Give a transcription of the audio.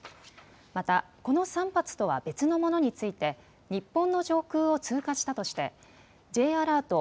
また、この３発とは別のものについて日本の上空を通過したとしてＪアラート